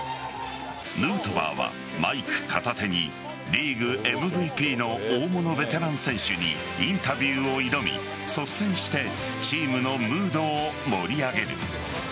ヌートバーはマイク片手にリーグＭＶＰの大物ベテラン選手にインタビューを挑み率先してチームのムードを盛り上げる。